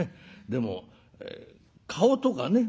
でも顔とかね